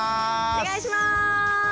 お願いします。